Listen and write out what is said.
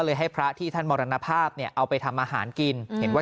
ให้พระที่ท่านมรณภาพเนี่ยเอาไปทำอาหารกินเห็นว่า